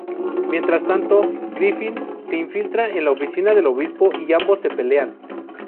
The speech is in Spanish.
Mientras tanto, Griffin se infiltra en la oficina del obispo y ambos se pelean.